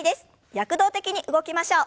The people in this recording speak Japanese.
躍動的に動きましょう。